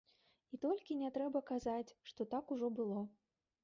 І толькі не трэба казаць, што так ужо было.